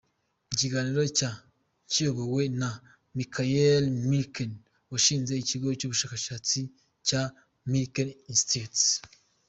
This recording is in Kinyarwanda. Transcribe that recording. Ikiganiro cyari kiyobowe na Michael Milken washinze Ikigo cy’ubushakashatsi cya Milken Institute.